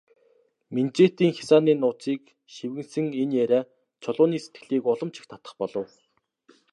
Минжээтийн хясааны нууцыг шивгэнэсэн энэ яриа Чулууны сэтгэлийг улам ч их татах болов.